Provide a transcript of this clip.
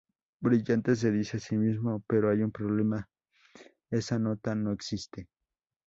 Brillante, se dice a sí mismo, pero hay un problema: esa nota no existe.